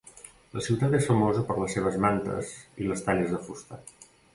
La ciutat és famosa per les seves mantes i les talles de fusta.